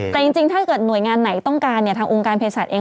แต่จริงถ้าเกิดหน่วยงานไหนต้องการเนี่ยทางองค์การเพศศาสตร์เอง